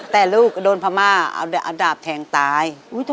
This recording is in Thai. แต่ลูกก็โดนพม่าเอาดาบแทงตาย